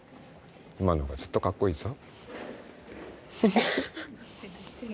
今のほうがずっとかっこいいぞ。